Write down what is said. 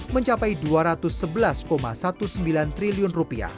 mencapai rp dua ratus sebelas sembilan belas triliun